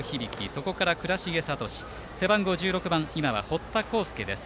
そこから倉重聡そして背番号１６番堀田昂佑です。